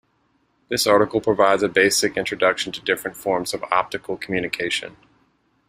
This article provides a basic introduction to different forms of optical communication.